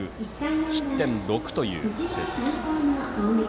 失点６という成績です。